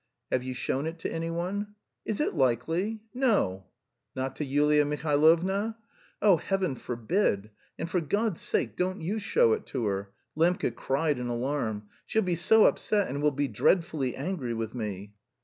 "Have you shown it to anyone?" "Is it likely! No." "Not to Yulia Mihailovna?" "Oh, Heaven forbid! And for God's sake don't you show it her!" Lembke cried in alarm. "She'll be so upset... and will be dreadfully angry with me."